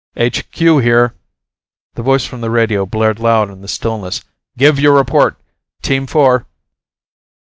"HQ here." The voice from the radio blared loud in the stillness. "Give your report, Team Four."